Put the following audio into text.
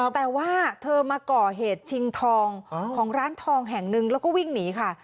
แต่ว่าเธอมาก่อเหตุชิงทองของร้านทองแห่งหนึ่งแล้วก็วิ่งหนีค่ะ